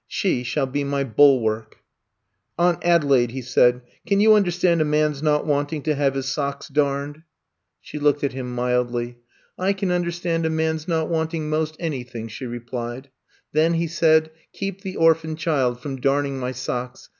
She shall be my bulwark. ^ Aunt Adelaide, he said, can you un derstand a man^s not wanting to have his socks darned r* I'VE COME TO STAY 81 She looked at him mildly. I can un derstand a man's not wanting most any thing, '' she replied. Then, '' he said, *^ keep the orphan child from darning my socks.